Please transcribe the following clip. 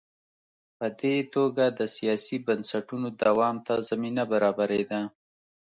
په دې توګه د سیاسي بنسټونو دوام ته زمینه برابرېده.